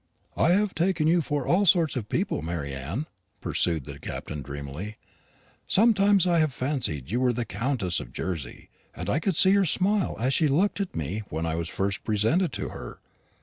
"I have taken you for all sorts of people, Mary Anne," pursued the Captain dreamily. "Sometimes I have fancied you were the Countess of Jersey, and I could see her smile as she looked at me when I was first presented to her.